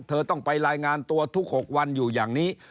เธอต้องไปรายงานตัวทุก๖วันอยู่อย่างนี้